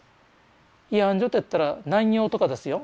慰安所といったら南洋とかですよ